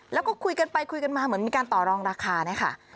แล้วก็คุยกันไปคุยกันมาเหมือนมีการต่อรองราคานะคะ